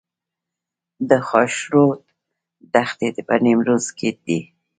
د خاشرود دښتې په نیمروز کې دي